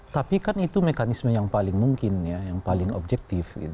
tapi kan itu mekanisme yang paling mungkin ya yang paling objektif